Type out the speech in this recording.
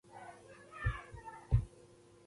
د افغانستان باغونه څه میوې لري؟